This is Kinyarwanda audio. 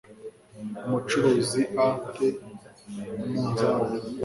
umucuruzi a te umunzani